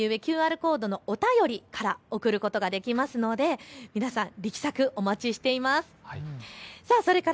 画面右上、ＱＲコードのお便りから送ることができるので皆さん、力作をお待ちしています。